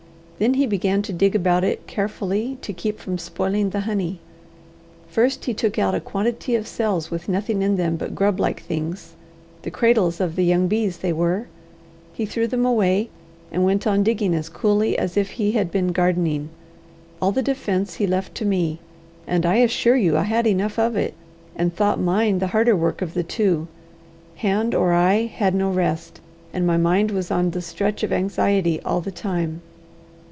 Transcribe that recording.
Then he began to dig about it carefully to keep from spoiling the honey. First he took out a quantity of cells with nothing in them but grub like things the cradles of the young bees they were. He threw them away, and went on digging as coolly as if he had been gardening. All the defence he left to me, and I assure you I had enough of it, and thought mine the harder work of the two: hand or eye had no rest, and my mind was on the stretch of anxiety all the time.